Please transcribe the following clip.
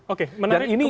oke menarik kemudian